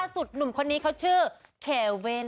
หนุ่มคนนี้เขาชื่อเคเว่น